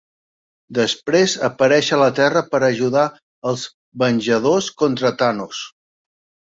Després apareix a la Terra per ajudar als venjadors contra Thanos.